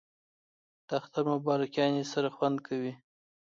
د اختر مبارکیانو سره خوند کوي